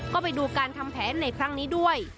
ก็ไปดูการทำแผนในครั้งนี้ด้วย